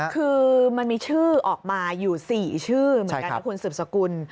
คือมันมีชื่อออกมาอยู่๔ชื่อเหมือนกันนะคุณสืบสกุล